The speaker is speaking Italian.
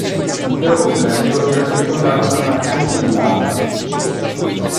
L'intero complesso era circondato da una cancellata.